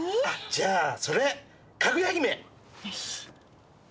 じゃあそれ『かぐや姫』よし。